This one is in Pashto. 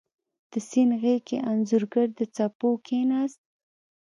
د سیند غیږ کې انځورګر د څپو کښېناست